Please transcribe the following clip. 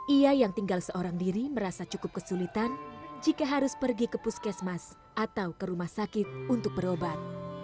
ia yang tinggal seorang diri merasa cukup kesulitan jika harus pergi ke puskesmas atau ke rumah sakit untuk berobat